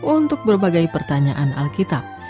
untuk berbagai pertanyaan alkitab